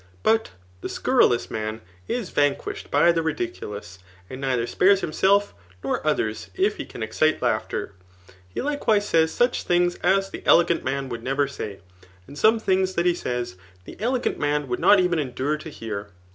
But the scurrilous man is vanquished by €be ridiculous, and neither spares himself, nor others, if he 'can exdte laughter. He likewise says such things, ^ the elegant man would never say ; and some things that he &iys, the elegant man would not even endure to hear.